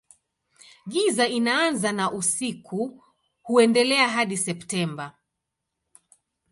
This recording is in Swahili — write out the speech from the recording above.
Giza inaanza na usiku huendelea hadi Septemba.